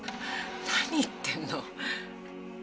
何言ってんの。